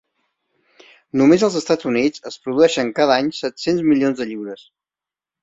Només als Estats Units es produeixen cada any set-cent milions de lliures.